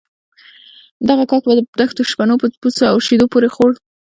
دغه کاک به د دښتو شپنو په پوڅه او شيدو پورې خوړ.